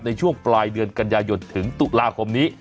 ในช่วงปลายเดือนกันยายนถึงตุลาคมนี้